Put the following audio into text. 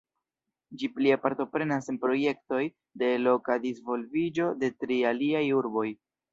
Ĝi plie partoprenas en projektoj de loka disvolviĝo de tri aliaj urboj.